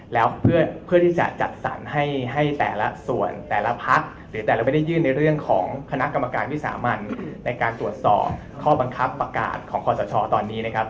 แล้วเพื่อที่จะจัดสรรให้แต่ละส่วนแต่ละพักหรือแต่เราไม่ได้ยื่นในเรื่องของคณะกรรมการวิสามันในการตรวจสอบข้อบังคับประกาศของคอสชตอนนี้นะครับ